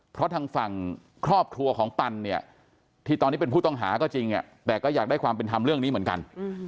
เพราะทางฝั่งครอบครัวของปันเนี่ยที่ตอนนี้เป็นผู้ต้องหาก็จริงแต่ก็อยากได้ความเป็นธรรมเรื่องนี้เหมือนกัน